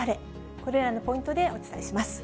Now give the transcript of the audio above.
これらのポイントでお伝えします。